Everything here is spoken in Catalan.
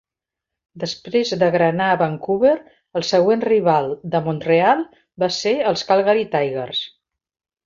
Després d'agranar a Vancouver, el següent rival de Montreal va ser els Calgary Tigers.